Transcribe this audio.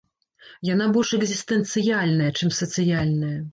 Яна больш экзістэнцыяльная, чым сацыяльная.